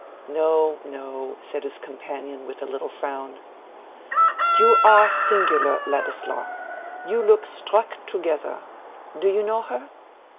"No, no," said his companion, with a little frown. "You are singular, Ladislaw. You look struck together. Do you know her?"